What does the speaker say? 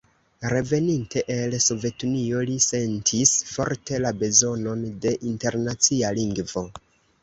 Reveninte el Sovetunio, li sentis forte la bezonon de internacia lingvo.